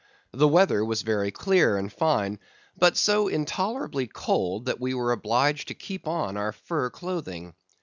The weather was very clear and fine, but so intolerably cold that we were obliged to keep on our fur clothing.